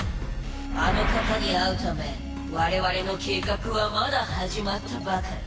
あの方に会うためわれわれの計画はまだはじまったばかり。